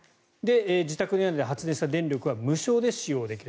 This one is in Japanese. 自宅の屋根で発電した電力は無償で使用できる。